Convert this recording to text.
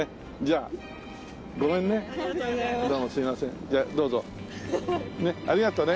ありがとうね。